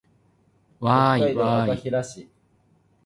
わーいわーい